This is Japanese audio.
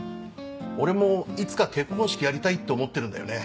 俺もいつか結婚式やりたいって思ってるんだよね。